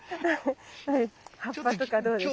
葉っぱとかどうですか？